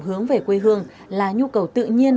hướng về quê hương là nhu cầu tự nhiên